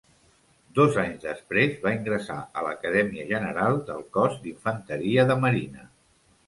Dos anys després va ingressar a l'Acadèmia general del Cos d'infanteria de marina.